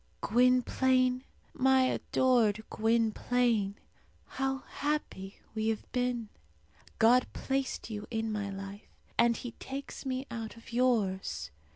Gwynplaine my adored Gwynplaine how happy we have been! God placed you in my life, and He takes me out of yours.